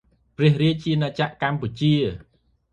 ព្រះរាជាណាចក្រកម្ពុជា